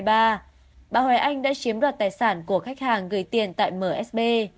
bà huế anh đã chiếm đoạt tài sản của khách hàng gửi tiền tại msb